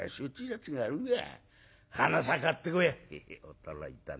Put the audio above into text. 驚いたね。